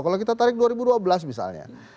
kalau kita tarik dua ribu dua belas misalnya